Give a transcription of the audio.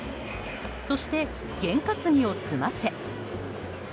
そして、験担ぎを済ませ。